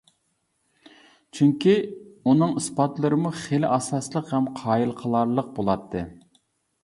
چۈنكى، ئۇنىڭ ئىسپاتلىرىمۇ خېلى ئاساسلىق ھەم قايىل قىلارلىق بولاتتى.